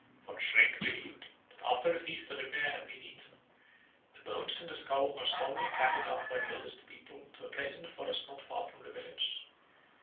Von Schrenk believed that after the flesh of the bear has been eaten the bones and the skull are solemnly carried out by the oldest people to a place in the forest not far from the village.